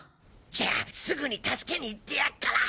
じゃすぐに助けに行ってやっから。